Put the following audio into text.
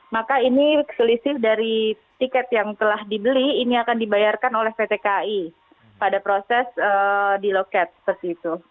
maka ini selisih dari tiket yang telah dibeli ini akan dibayarkan oleh pt kai pada proses di loket seperti itu